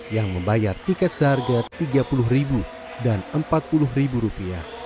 yang membayar tiket seharga rp tiga puluh dan rp empat puluh